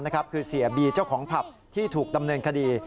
คือเสียบีเจ้าของผับที่ถูกดำเนินคดี